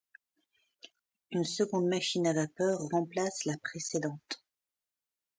Une seconde machine à vapeur remplace la précédente.